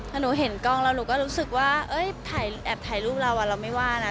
ถ้าหนูเห็นกล้องแล้วหนูก็รู้สึกว่าแอบถ่ายรูปเราเราไม่ว่านะ